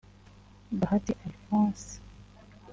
’Bahati Alphonse’